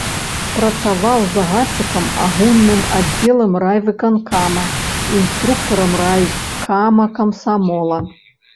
Працаваў загадчыкам агульным аддзелам райвыканкама, інструктарам райкама камсамола.